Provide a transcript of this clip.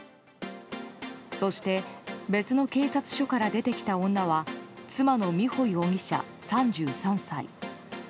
そして別の警察署から出てきた女は妻の美穂容疑者、３３歳。